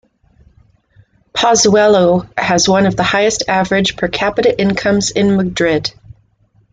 Pozuelo has one of the highest average per capita incomes in Madrid.